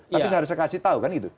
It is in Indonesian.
tapi saya harus kasih tahu kan itu